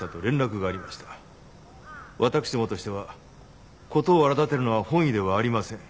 私どもとしては事を荒立てるのは本意ではありません。